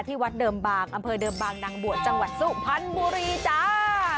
วัดเดิมบางอำเภอเดิมบางนางบวชจังหวัดสุพรรณบุรีจ้า